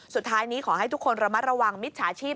สุดท้ายนี้ขอให้ทุกคนระมัดระวังมิจฉาชีพ